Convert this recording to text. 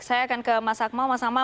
saya akan ke mas agma